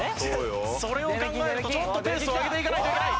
それを考えるとちょっとペースを上げていかないといけない。